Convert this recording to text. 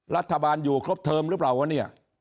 รัฐบาลอยู่ครบเทิมหรือเปล่าวะเนี่ย